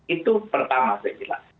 itu pertama saya jelaskan